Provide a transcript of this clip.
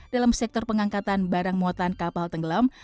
dalam sektor pengangkatan barang muatan kapal tenggelam